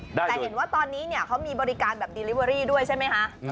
แต่เห็นว่าตอนนี้เขามีบริการที่ผจญด้วยใช่ไหมครับ